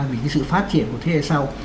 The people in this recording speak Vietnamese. vì cái sự phát triển của thế hệ sau